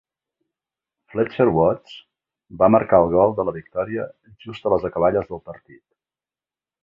Fletcher Watts va marcar el gol de la victòria just a les acaballes del partit.